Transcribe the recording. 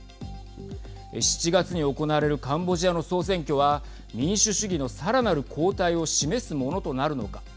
７月に行われるカンボジアの総選挙は民主主義のさらなる後退を示すものとなるのか。